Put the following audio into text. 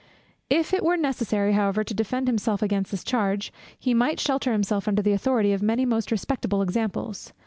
If it were necessary, however, to defend himself against this charge, he might shelter himself under the authority of many most respectable examples.